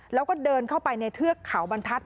แล้วก็เดินเข้าไปในเทือกเขาบรรทัศน